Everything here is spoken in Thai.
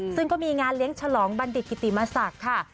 ซึ่งก็มีงานเลี้ยงฉลองบัณฑิตกิติมศักดิ์ค่ะ